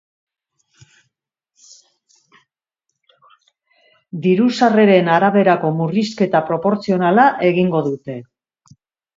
Diru-sarreren araberako murrizketa proportzionala egingo dute.